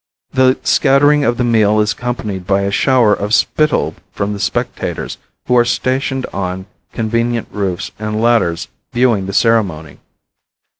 The scattering of the meal is accompanied by a shower of spittle from the spectators, who are stationed on, convenient roofs and ladders viewing the ceremony.